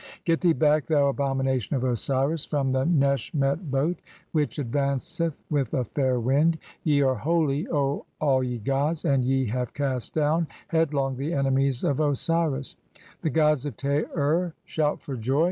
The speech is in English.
Get thee back, thou abomination of Osiris, from the "Neshmet boat .... which (4) advanceth with a fair wind. Ye "are holy, O all ye gods, and [ye] have cast down headlong "the enemies (5) of Osiris ; the gods of Ta ur shout for jov.